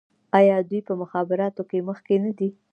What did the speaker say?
آیا دوی په مخابراتو کې مخکې نه دي؟